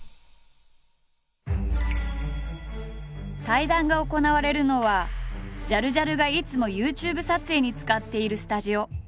対談が行われるのはジャルジャルがいつもＹｏｕＴｕｂｅ撮影に使っているスタジオ。